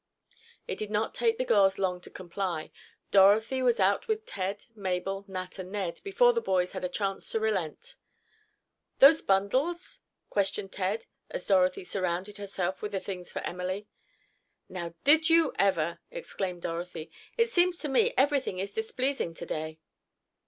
It did not take the girls long to comply—Dorothy was out with Ted, Mabel, Nat and Ned before the boys had a chance to relent. "Those bundles?" questioned Ted, as Dorothy surrounded herself with the things for Emily. "Now did you ever!" exclaimed Dorothy. "It seems to me everything is displeasing to day."